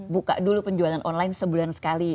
buka dulu penjualan online sebulan sekali